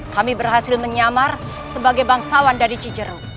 kami berhasil menyamar sebagai bangsawan dari cijeruk